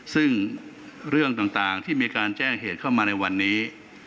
ซึ่งเรื่องต่างที่มีการแจ้งเหตุเข้ามาในวันนี้